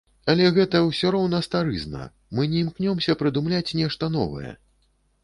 Але гэта ўсё роўна старызна, мы не імкнёмся прыдумляць нешта новае.